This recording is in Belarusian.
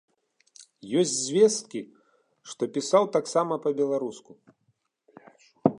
Ёсць звесткі, што пісаў таксама па-беларуску.